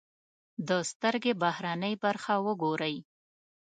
د سترکې بهرنۍ برخه و ګورئ.